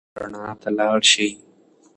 رڼا ته لاړ شئ.